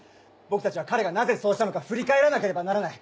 僕たちは彼がなぜそうしたのか振り返らなければならない。